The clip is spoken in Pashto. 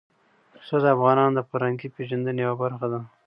پسه د افغانانو د فرهنګي پیژندنې یوه برخه ده.